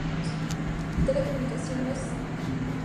Tele-Communications, Inc.